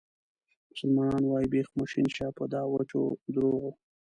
مسلمانان وایي بیخ مو شین شه په دا وچو درواغو.